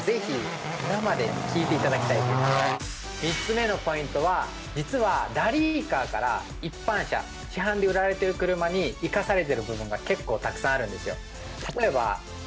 ３つ目のポイントは実はラリーカーから一般車市販で売られてる車に生かされてる部分が結構たくさんあるんですよ。